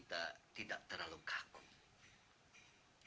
kalau tidak aku akan selesaikan sendiri